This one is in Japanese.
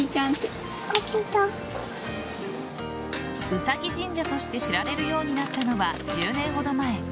ウサギ神社として知られるようになったのは１０年ほど前。